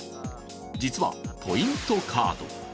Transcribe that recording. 実はポイントカード。